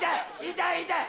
痛い痛い！